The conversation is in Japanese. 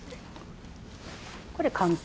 これ簡単。